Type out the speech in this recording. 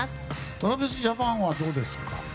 ＴｒａｖｉｓＪａｐａｎはどうですか？